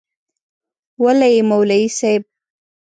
وله یی مولوی صیب